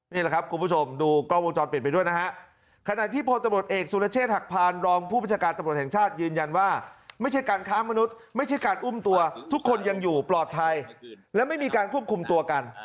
นี่แหละครับคุณผู้ชมดูกล้องวงจรปิดไปด้วยนะฮะขณะที่พลตำรวจเอกสุรเชษฐหักพานรองผู้ประชาการตำรวจแห่งชาติยืนยันว่าไม่ใช่การค้ามนุษย์ไม่ใช่การอุ้มตัวทุกคนยังอยู่ปลอดภัยและไม่มีการควบคุมตัวกัน